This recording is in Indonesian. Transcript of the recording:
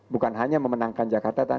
bukan hanya memenangkan jakarta